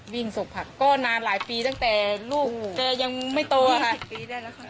วิ่งสกผักก็นานหลายปีตั้งแต่ลูกแต่ยังไม่โตค่ะอืม